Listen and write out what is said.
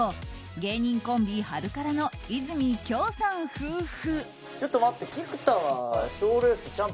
芸人コンビ、ハルカラの和泉杏さん夫婦。